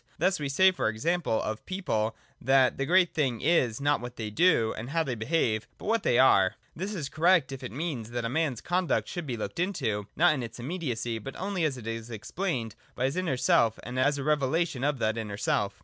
Thus we say, for example, of people, that the great thing is not what they do or how they behave, but what they are. This is correct, if it means that a man's conduct should be looked at, not in its immediacy, but only II2 II4.] ESSENCE— REFLECTION. 211 as it is explained by his inner self, and as a revelation of that inner self.